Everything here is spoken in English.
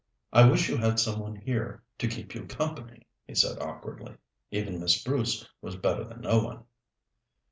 "I wish you had some one here to keep you company," he said awkwardly. "Even Miss Bruce was better than no one."